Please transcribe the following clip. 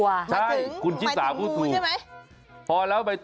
หมายถึงหมายถึงงูใช่ไหมคุณชิ้นสาวพูดถูกพอแล้วไปต่อ